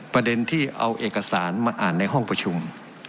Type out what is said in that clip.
ประเด็นที่เอาเอกสารมาอ่านในห้องประชุม